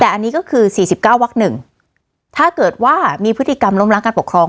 แต่อันนี้ก็คือสี่สิบเก้าวักหนึ่งถ้าเกิดว่ามีพฤติกรรมล้มล้างการปกครอง